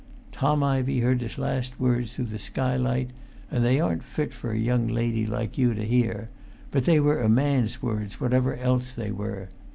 Tom Ivey heard his last words through the skylight, and they aren't fit for a young lady like you to hear, but they were a man's words whatever else they were.